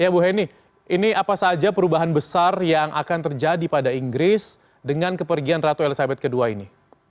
ya bu heni ini apa saja perubahan besar yang akan terjadi pada inggris dengan kepergian ratu elizabeth ii ini